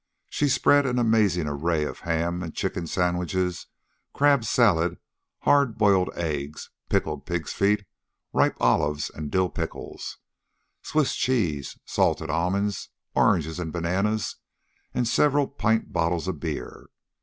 She spread an amazing array of ham and chicken sandwiches, crab salad, hard boiled eggs, pickled pigs' feet, ripe olives and dill pickles, Swiss cheese, salted almonds, oranges and bananas, and several pint bottles of beer.